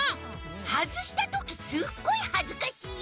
はずしたときすっごいはずかしいよ。